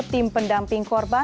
tim pendamping korban